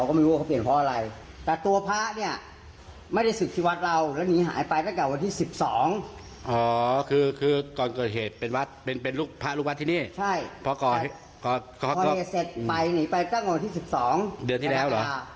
ก็สอนกระดาษเดือนที่แล้ว